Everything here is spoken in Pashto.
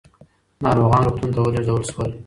ناروغان روغتون ته ولېږدول شول.